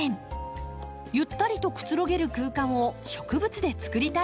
ゆったりとくつろげる空間を植物でつくりたいとのこと。